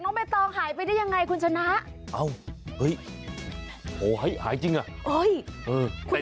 อยู่สิอยู่ไหนอ่ะ